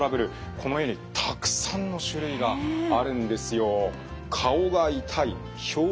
このようにたくさんの種類があるんですよ。